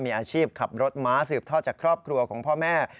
มีอาชีพขับรถม้าสืบทอดจากครอบครัวของพ่อแม่